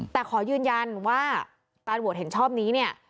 แต่ขอยืนยันว่าการโหวตเห็นชอบนี้เนี่ย